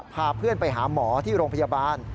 พาเพื่อนไปหาหมอที่โรงพยาบาล